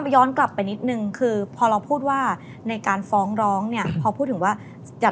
ย้อนกลับไปนิดนึงคือพอเราพูดว่าในการฟ้องร้องเนี่ยพอพูดถึงว่าจะ